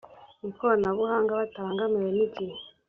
ikoranabuhanga batabangamiwe n igihe